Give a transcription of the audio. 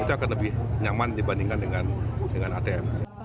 itu akan lebih nyaman dibandingkan dengan atm